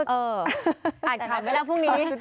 เอออ่านข่าวไปแล้วพรุ่งนี้